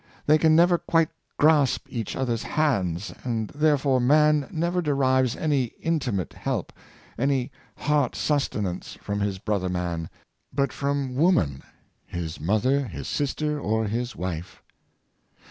They can never quite grasp each other's hands, and therefore man never derives any in timate help, any heart sustenance, from his brother man, but from woman — his mother, his sister, or his wife."